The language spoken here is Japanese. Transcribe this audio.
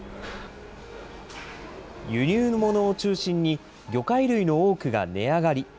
輸入物を中心に、魚介類の多くが値上がり。